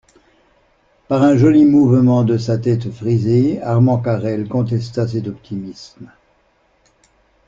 Par un joli mouvement de sa tête frisée, Armand Carrel contesta cet optimisme.